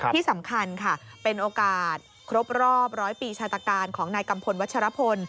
ที่สำคัญเป็นโอกาสครบรอบ๑๐๐ปีชาติการของนายกำพลวัชฌฌพล